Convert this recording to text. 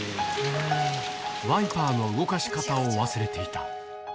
ワイパーの動かし方を忘れていた。